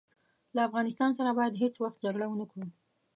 له افغانستان سره باید هیڅ وخت جګړه ونه کړو.